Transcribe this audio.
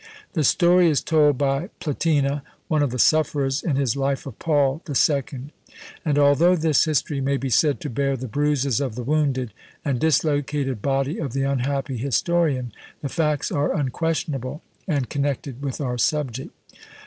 The story is told by Platina, one of the sufferers, in his Life of Paul the Second; and although this history may be said to bear the bruises of the wounded and dislocated body of the unhappy historian, the facts are unquestionable, and connected with our subject.